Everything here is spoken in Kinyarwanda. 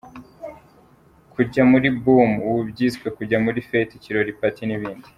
Kujya muri boom” : Ubu byiswe kujya muri fête, ikirori, party n’ibindi.